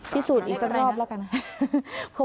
พิสูจน์อีกสักรอบแล้วกัน